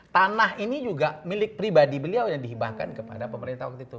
tanah ini juga milik pribadi beliau yang dihibahkan kepada pemerintah waktu itu